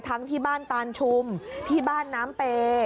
ที่บ้านตานชุมที่บ้านน้ำเป